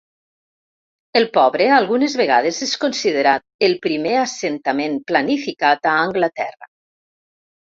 El pobre algunes vegades és considerat el primer assentament planificat a Anglaterra.